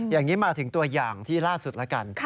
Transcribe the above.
อย่างนี้มาถึงตัวอย่างที่ล่าสุดแล้วกัน